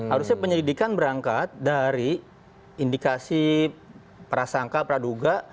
harusnya penyelidikan berangkat dari indikasi prasangka praduga